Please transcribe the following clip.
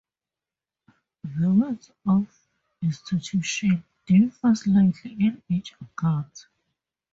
The words of institution differ slightly in each account.